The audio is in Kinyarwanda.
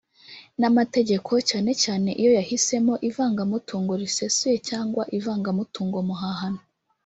n’amategeko, cyane cyane iyo yahisemo ivangamutungo risesuye cyangwa ivangamutungo muhahano.